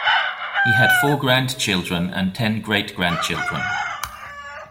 He had four grandchildren and ten great-grandchildren.